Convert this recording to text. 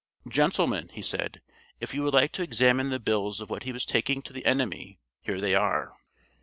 "Gentlemen," he said, "if you would like to examine the bills of what he was taking to the enemy, here they are."